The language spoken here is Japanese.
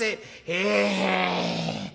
「へえ。